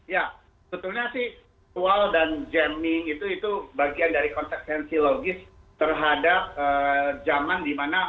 ya sebetulnya sih virtual dan jamming itu bagian dari konsepsi logis terhadap zaman di mana